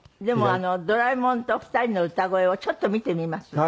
でも『ドラえもん』と２人の歌声をちょっと見てみます。